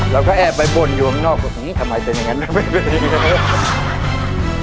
เราก็แอบไปบ่นอยู่ข้างนอกว่านี่ทำไมเป็นอย่างงั้นแล้วไม่เป็นอย่างงั้น